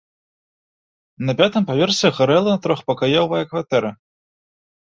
На пятым паверсе гарэла трохпакаёвая кватэра.